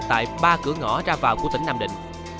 tại ba cửa ngõ ra vào của tỉnh nam định